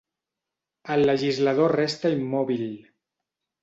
El legislador resta immòbil.